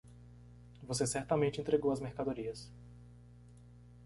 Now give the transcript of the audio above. Você certamente entregou as mercadorias.